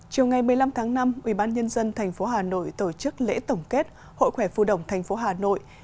chiều ngày một mươi năm tháng năm ubnd tp hà nội tổ chức lễ tổng kết hội khỏe phu động tp hà nội